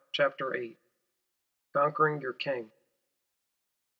Chapter 1.5.VIII. Conquering your King.